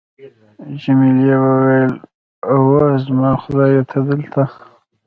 جميلې وويل:: اوه، زما خدایه، ته دلته!